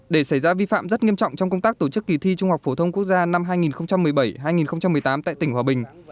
để xảy ra vi phạm rất nghiêm trọng trong công tác tổ chức kỳ thi trung học phổ thông quốc gia năm hai nghìn một mươi bảy hai nghìn một mươi tám tại tỉnh hòa bình